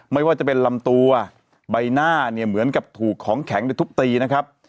ไม่ว่าจะเป็นลำตัวใบหน้าเนี่ยเหมือนกับถูกของแข็งในทุบตีนะครับ